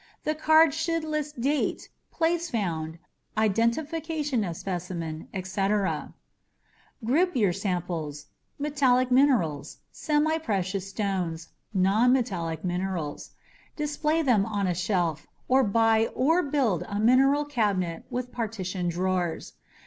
The card should list date, place found, identification of specimen, etc. Group your samples: metallic minerals, semiprecious stones, nonmetallic minerals. Display them on a shelf, or buy or build a mineral cabinet with partitioned drawers.